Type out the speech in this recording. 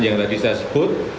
yang tadi saya sebut